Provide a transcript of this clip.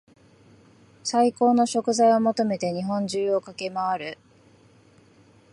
最高の食材を求めて日本中を駆け回る